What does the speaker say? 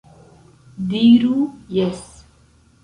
Diru jes!